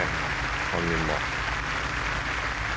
本人も。